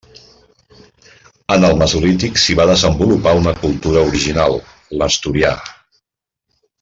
En el mesolític s'hi va desenvolupar una cultura original, l'Asturià.